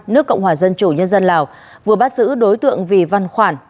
nước cộng hòa dân chủ nhân dân lào vừa bắt giữ đối tượng vì văn khoản